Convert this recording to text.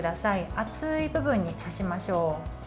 厚い部分に刺しましょう。